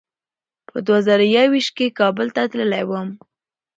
په دوه زره یو ویشت کې کابل ته تللی وم.